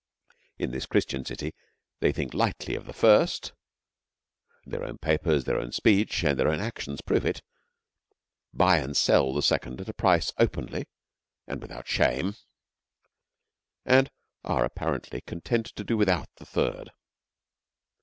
In this Christian city they think lightly of the first their own papers, their own speech, and their own actions prove it; buy and sell the second at a price openly and without shame; and are, apparently, content to do without the third.